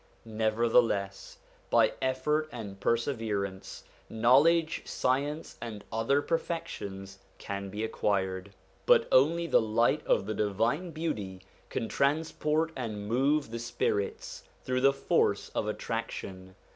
Nevertheless, by effort and perseverance, knowledge, science, and other perfections can be acquired; but only the light of the Divine 150 SOME ANSWERED QUESTIONS Beauty can transport and move the spirits through the force of attraction.